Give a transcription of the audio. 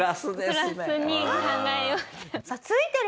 プラスに考えようって。